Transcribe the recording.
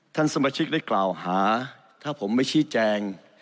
ท่านสมาชิกได้กล่าวหาถ้าผมไม่ชี้แจง